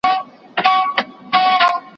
ګوري، ښوري، ځي، راځي نري، ګردي، ګلالي